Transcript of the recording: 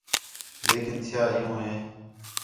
لیکن تھیا عِیّوں ہِے